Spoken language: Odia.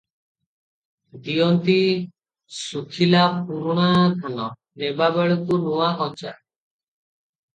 ଦିଅନ୍ତି ଶୁଖିଲା ପୁରୁଣା ଧାନ, ନେବା ବେଳକୁ ନୂଆ କଞ୍ଚା ।